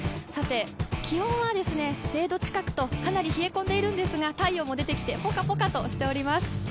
気温は０度近くとかなり冷え込んでいるんですが太陽も出てきてポカポカとしております。